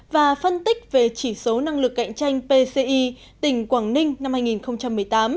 và phân tích về chỉ số năng lực cạnh tranh pci tỉnh quảng ninh năm hai nghìn một mươi tám